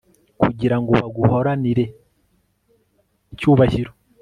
kugira ngo baguhoranire icyubahiro